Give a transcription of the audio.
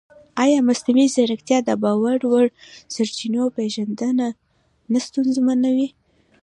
ایا مصنوعي ځیرکتیا د باور وړ سرچینو پېژندنه نه ستونزمنوي؟